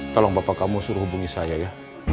tolong bapak kamu suruh hubungi saya ya